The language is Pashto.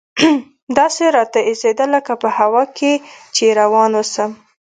داسې راته اېسېده لکه په هوا کښې چې روان اوسم.